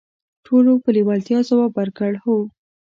ټولو په لیوالتیا ځواب ورکړ: "هو".